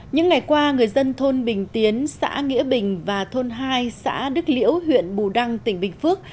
những ngày qua người dân thôn bình tiến xã nghĩa bình và thôn hai xã đức liễu huyện bù đăng tỉnh bình phước